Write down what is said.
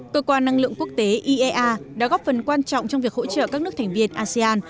cơ quan năng lượng quốc tế iea đã góp phần quan trọng trong việc hỗ trợ các nước thành viên asean